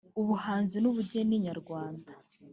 ubuhanzi n’ubugeni nyarwanda